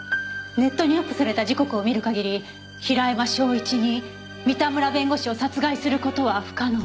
ネットにアップされた時刻を見る限り平山章一に三田村弁護士を殺害する事は不可能です。